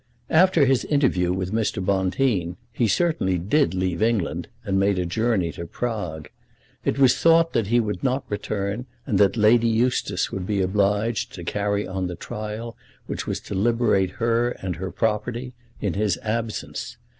After his interview with Mr. Bonteen he certainly did leave England and made a journey to Prague. It was thought that he would not return, and that Lady Eustace would be obliged to carry on the trial, which was to liberate her and her property, in his absence.